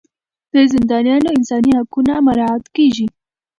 د زندانیانو انساني حقونه مراعات کیږي.